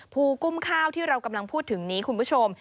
กุ้มข้าวที่เรากำลังพูดถึงนี้คุณผู้ชม